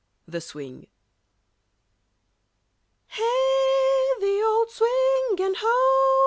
THE SWING Hey, the old swing! And ho!